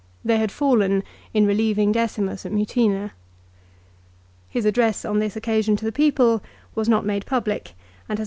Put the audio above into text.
They had fallen in relieving Decimus at Mutina. His address on this occasion to the people was not made public and has not been preserved.